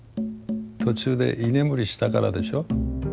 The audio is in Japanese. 途中で居眠りしたからでしょ？